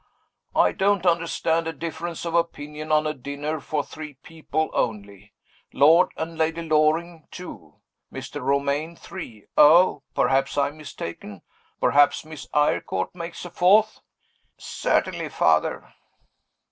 I don't understand a difference of opinion on a dinner for three people only; Lord and Lady Loring, two; Mr. Romayne, three oh! perhaps I am mistaken? Perhaps Miss Eyrecourt makes a fourth?" "Certainly, Father!"